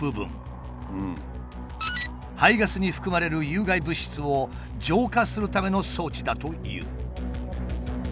排ガスに含まれる有害物質を浄化するための装置だという。